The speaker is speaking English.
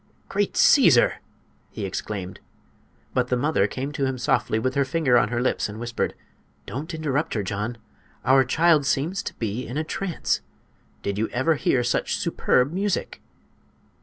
"Great Caesar!" he exclaimed. But the mother came to him softly with her finger on her lips and whispered: "Don't interrupt her, John. Our child seems to be in a trance. Did you ever hear such superb music?"